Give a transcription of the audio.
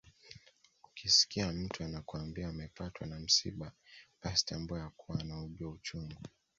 Ukisikia mtu anakwambia amepatwa na msiba basi tambua ya kuwa anaujua uchungu